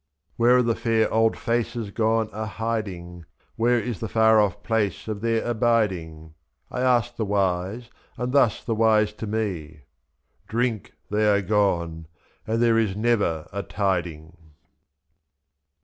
92 Where are the fair old faces gone a hiding? Where is the far off place of their abiding^ X^^.I asked the wise y and thus the wise to me: " Drink y they are gone — and there is never a tiding.